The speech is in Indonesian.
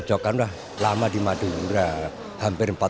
ini cocok kan lah lama di madura hampir empat puluh tahun